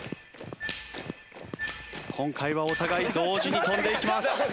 今回はお互い同時に跳んでいきます。